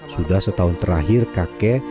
sudah setahun terakhir kakek